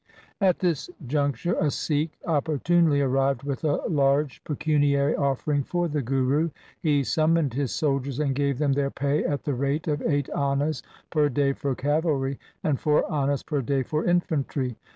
At this juncture a Sikh opportunely arrived with a large pecuniary offering for the Guru. He sum moned his soldiers and gave them their pay at the rate of eight annas per day for cavalry, and four annas per day for infantry.